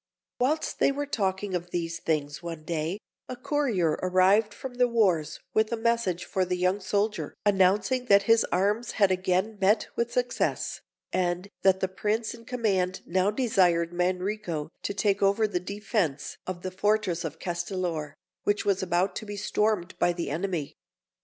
Whilst they were talking of these things one day, a courier arrived from the wars with a message for the young soldier, announcing that his arms had again met with success, and that the prince in command now desired Manrico to take over the defence of the fortress of Castellor, which was about to be stormed by the enemy.